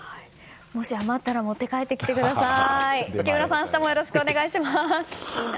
もし余ったら持って帰ってきてください。